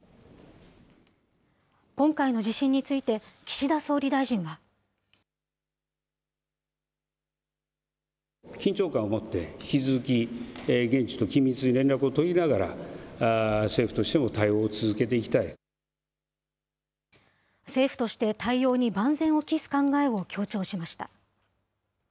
今回の地震について、岸田総理大臣は。政府として対応に万全を期す考えを強調しました。